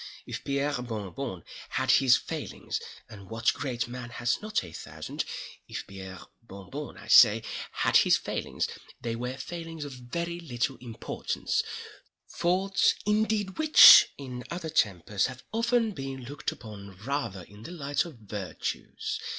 If Pierre Bon Bon had his failings—and what great man has not a thousand?—if Pierre Bon Bon, I say, had his failings, they were failings of very little importance—faults indeed which, in other tempers, have often been looked upon rather in the light of virtues.